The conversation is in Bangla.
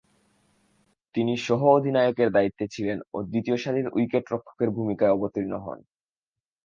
তিনি সহঃ অধিনায়কের দায়িত্বে ছিলেন ও দ্বিতীয়সারির উইকেট-রক্ষকের ভূমিকায় অবতীর্ণ হন।